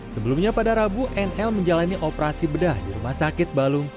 sebelumnya pada rabu nl menjalani operasi bedah di rumah sakit balung